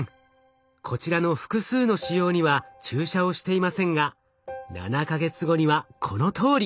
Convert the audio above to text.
こちらの複数の腫瘍には注射をしていませんが７か月後にはこのとおり！